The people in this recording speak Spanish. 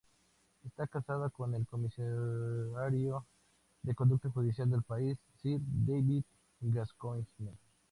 Está casada con el Comisario de Conducta Judicial del país, Sir David Gascoigne.